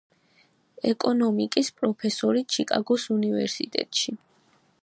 ეკონომიკის პროფესორი ჩიკაგოს უნივერსიტეტში.